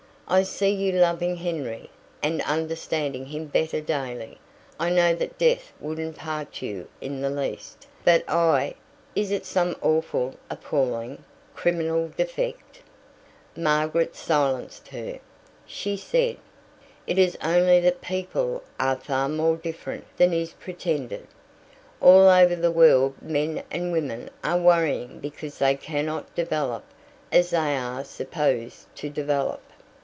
I see you loving Henry, and understanding him better daily, and I know that death wouldn't part you in the least. But I Is it some awful appalling, criminal defect?" Margaret silenced her. She said: "It is only that people are far more different than is pretended. All over the world men and women are worrying because they cannot develop as they are supposed to develop.